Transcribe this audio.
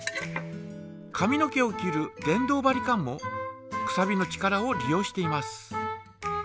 髪の毛を切る電動バリカンもくさびの力を利用しています。